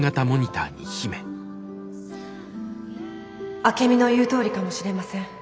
「アケミの言うとおりかもしれません」。